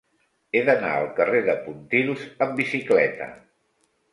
He d'anar al carrer de Pontils amb bicicleta.